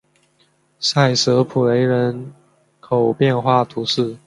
塞舍普雷人口变化图示